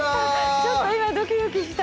ちょっと今ドキドキした。